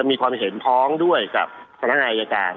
มีความเชื่อว่า